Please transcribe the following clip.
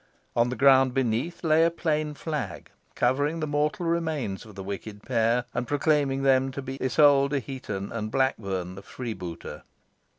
On the ground beneath lay a plain flag, covering the mortal remains of the wicked pair, and proclaiming them to be Isole de Heton and Blackburn, the freebooter.